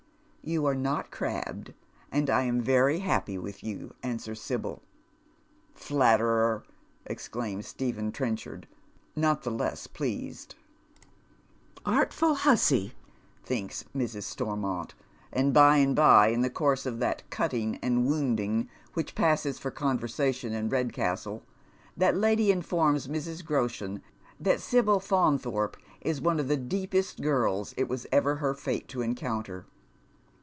" You are not crabbed, and I am very happy with you," wswers Sibyl. " Flatterer," exclaims Stephen Trenchard. not the loss pleased. "Ai tful hussy," thinks Mrs. Stormont, and by and by in the course of that cutting and wounding which passes for conversa tion in Redcastle, that lady informs Mrs. Groshen tliat Sibyl F, inthorpe is one of the deepest girls it was ever her fate to encounter.